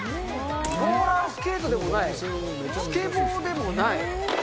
ローラースケートでもない、スケボーでもない。